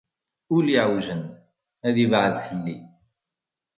Ul iɛewjen, ad ibɛed fell-i.